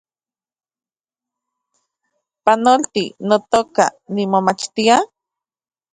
Panolti, notoka, nimomachtia